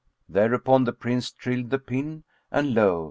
Thereupon the Prince trilled the pin and lo!